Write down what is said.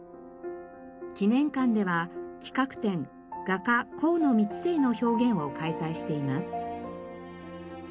記念館では企画展「画家・河野通勢の表現」を開催しています。